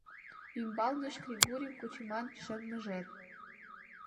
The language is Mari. ӱмбалнышт кригурим кучыман шем мыжер.